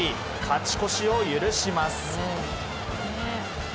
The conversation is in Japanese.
勝ち越しを許します。